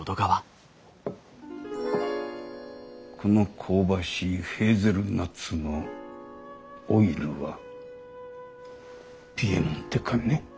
この香ばしいヘーゼルナッツのオイルはピエモンテかね？